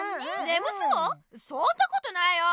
そんなことないよ。